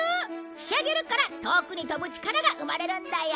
ひしゃげるから遠くに飛ぶ力が生まれるんだよ。